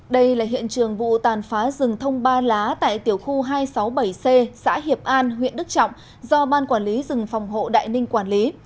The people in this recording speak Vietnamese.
đây là hiện trường vụ tàn phá rừng thông ba lá tại tiểu khu hai trăm sáu mươi bảy c xã hiệp an huyện đức trọng do ban quản lý rừng phòng hộ đại ninh quản lý